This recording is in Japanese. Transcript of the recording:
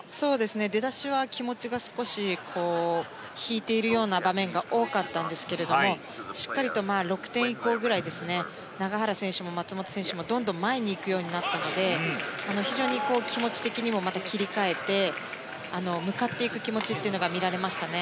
出だしは気持ちが少し引いているような場面が多かったんですがしっかりと６点以降ぐらいから永原選手も松本選手もどんどん前に行くようになったので非常に気持ち的にも切り替えて向かっていく気持ちがみられましたね。